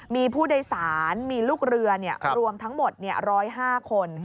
มีผู้โดยสารมีลูกเรือรวมทั้งหมด๑๐๕คน